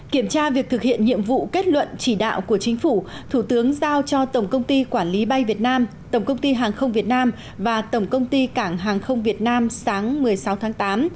kiểm tra việc thực hiện nhiệm vụ kết luận chỉ đạo của chính phủ thủ tướng giao cho tổng công ty quản lý bay việt nam tổng công ty hàng không việt nam và tổng công ty cảng hàng không việt nam sáng một mươi sáu tháng tám